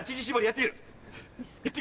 やってみる？